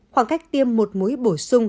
khoảng cách tiêm một mũi bổ sung sau mũi bổ sung